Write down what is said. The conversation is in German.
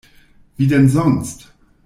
Wie denn sonst?